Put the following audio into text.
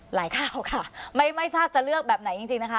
หลายข่าวค่ะไม่ไม่ทราบจะเลือกแบบไหนจริงจริงนะคะ